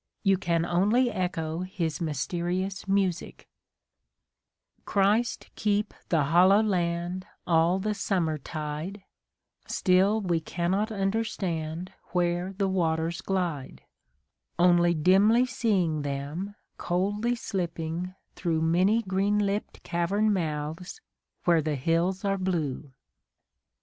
You can only echo his mysterious music : Christ keep the Hollow Land All the summer tide ; Still we cannot understand Where the waters glide ; Only dimly seeing them Coldly slipping through Many green lipp'd cavern mouths, Where the hills are blue.